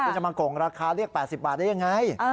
จะมาโกรธรรคาเรียก๘๐บาทได้ยังไง